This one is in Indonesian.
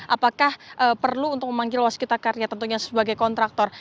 apakah perlu untuk memanggil waskita karya tentunya sebagai kontraktor